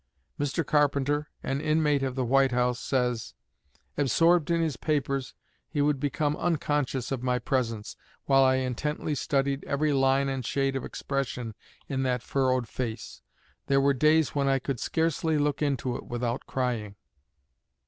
Mr. Carpenter, an inmate of the White House, says: "Absorbed in his papers, he would become unconscious of my presence, while I intently studied every line and shade of expression in that furrowed face. There were days when I could scarcely look into it without crying.